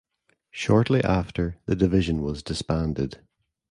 Shortly after the division was disbanded.